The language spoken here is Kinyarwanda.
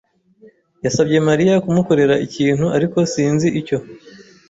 yasabye Mariya kumukorera ikintu, ariko sinzi icyo.